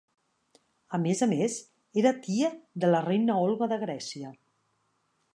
A més a més, era tia de la reina Olga de Grècia.